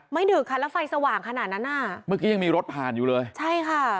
ดึกค่ะแล้วไฟสว่างขนาดนั้นอ่ะเมื่อกี้ยังมีรถผ่านอยู่เลยใช่ค่ะ